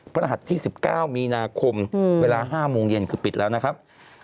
รหัสที่๑๙มีนาคมเวลา๕โมงเย็นคือปิดแล้วนะครับ